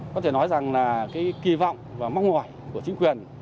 có thể nói rằng là cái kỳ vọng và mong mỏi của chính quyền